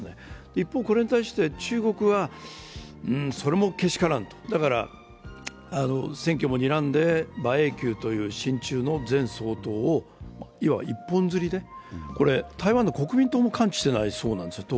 一方、これに対して中国はそれもけしからんと、だから選挙もにらんで、馬英九という親中の前総統をいわば一本釣りでこれ台湾の国民党も関知していなかったようなんですよ。